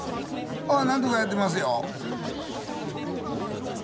私はなんとかやっておりますよ。